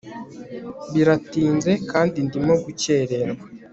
Biratinze kandi ndimo gukererwa